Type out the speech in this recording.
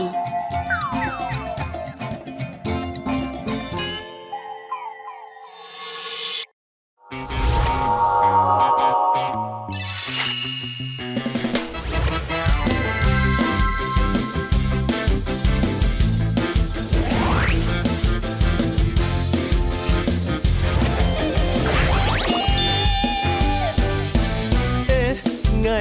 สวัสดีครับ